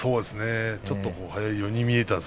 ちょっと早いようには見えました。